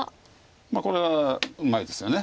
これはうまいですよね。